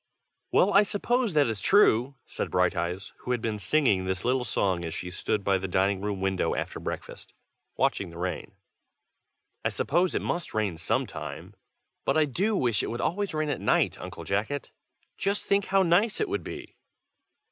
"WELL, I suppose that is true!" said Brighteyes, who had been singing this little song as she stood by the dining room window after breakfast, watching the rain. "I suppose it must rain some time. But I do wish it would always rain at night, Uncle Jacket. Just think how nice it would be!"